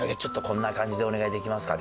こんな感じでお願いできますか？」。